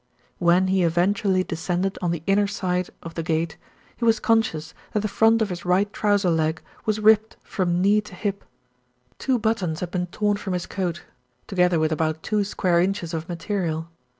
When he eventually descended on the inner side of the gate, he was conscious that the front of his right trouser leg was ripped from knee to hip, two buttons THE GIRL AT THE WINDOW 25 had been torn from his coat, together with about two square inches of material.